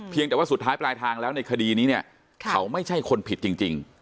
แต่ว่าสุดท้ายปลายทางแล้วในคดีนี้เนี่ยเขาไม่ใช่คนผิดจริง